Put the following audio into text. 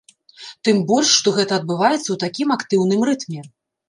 Тым больш, што гэта адбываецца ў такім актыўным рытме.